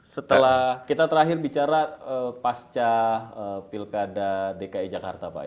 setelah kita terakhir bicara pasca pilkada dki jakarta pak